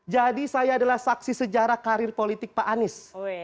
jadi saya adalah saksi sejarah karir politik pak anies